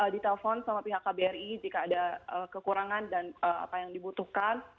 ditelepon sama pihak kbri jika ada kekurangan dan apa yang dibutuhkan